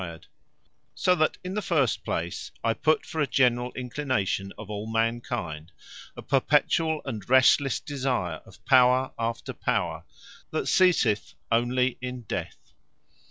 A Restlesse Desire Of Power, In All Men So that in the first place, I put for a generall inclination of all mankind, a perpetuall and restlesse desire of Power after power, that ceaseth onely in Death.